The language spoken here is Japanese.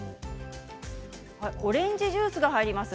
オレンジジュースが入ります。